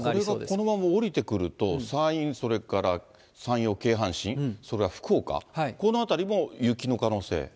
これがこのまま下りてくると、山陰それから山陽京阪神、それから福岡、この辺りも雪の可能性？